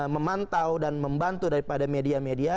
memantau dan membantu daripada media media